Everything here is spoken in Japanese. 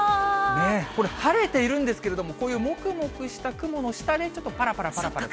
これ、晴れているんですけれども、こういうもくもくした雲の下でちょっとぱらぱらぱらぱらと。